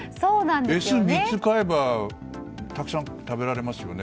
Ｓを３つ買えばたくさん食べられますよね。